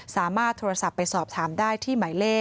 สามารถโทรศัพท์ไปสอบถามได้ที่หมายเลข